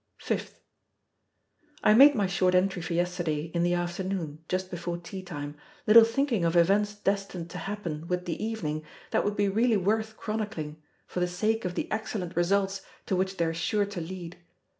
5th. I made my short entry for yesterday in the afternoon just before tea time, little thinking of events destined to happen with the evening that would be really worth chronicling, for the sake of the excellent results to which they are sure to lead.